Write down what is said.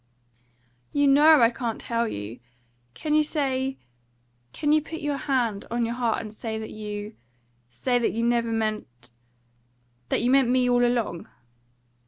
"You know I can't tell you. Can you say can you put your hand on your heart and say that you say you never meant that you meant me all along?"